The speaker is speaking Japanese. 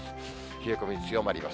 冷え込み強まります。